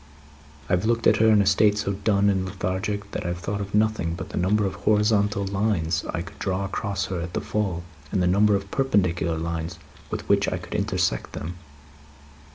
I have looked at her, in a state so dull and lethargic, that I have thought of nothing but the number of horizontal lines I could draw across her at the full, and the number of perpendicular lines with which I could intersect them."